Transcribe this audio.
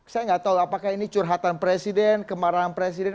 saya nggak tahu apakah ini curhatan presiden kemarahan presiden